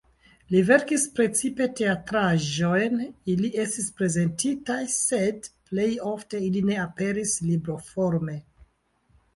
Li verkis precipe teatraĵojn, ili estis prezentitaj sed plej ofte ili ne aperis libroforme.